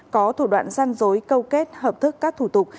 có thủ đoạn gian dối câu kết hợp thức các thủ tục